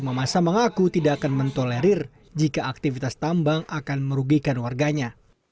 mamasa mengaku tidak akan mentolerir jika aktivitas tambang akan merugikan warganya